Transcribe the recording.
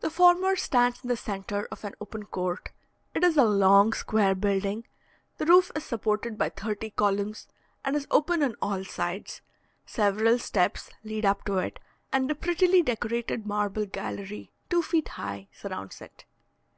The former stands in the centre of an open court; it is a long, square building; the roof is supported by thirty columns, and is open on all sides; several steps lead up to it, and a prettily decorated marble gallery, two feet high, surrounds it.